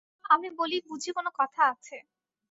আমি বলি, বুঝি কোনো কথা আছে।